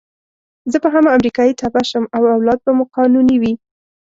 زه به هم امریکایي تبعه شم او اولاد به مو قانوني وي.